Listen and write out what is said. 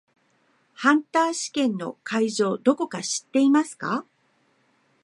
ハンター試験の会場どこか知っていますか？